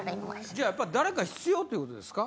じゃあやっぱ誰か必要ということですか？